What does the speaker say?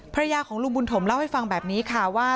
ภรรยาของลุงบุญถมเล่าให้ฟังแบบนี้ค่ะว่า